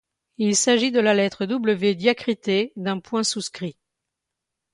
Il s’agit de la lettre W diacritée d’un point souscrit.